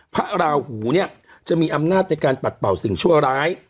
พระราหูเนี่ยจะมีอำนาจในการปัดเป่าสิ่งชั่วร้าย